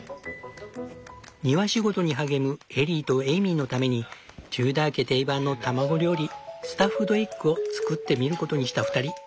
庭仕事に励むエリーとエイミーのためにテューダー家定番の卵料理「スタッフドエッグ」を作ってみることにした２人。